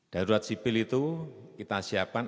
darurat sipil itu kita siapkan